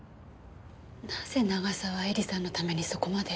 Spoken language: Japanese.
なぜ長澤絵里さんのためにそこまで。